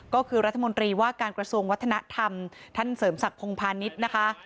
ก็คือรัฐมนตรีว่าการกระทรวงวัฒนธรรมท่านเสริมศักดิ์พงพาณิชย์นะคะ